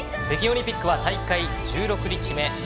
北京オリンピックは大会１６日目。